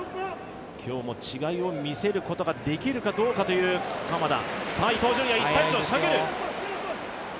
今日も違いを見せることができるかどうかという鎌田。